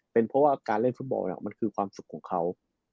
เป็นเพราะว่าการเล่นฟุตบอลมันคือความสุขของเขา